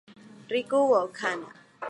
Ryū Okada